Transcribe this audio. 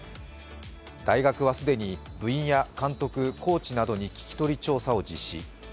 大学は既に部員や監督、コーチなどに聞き取り調査を実施。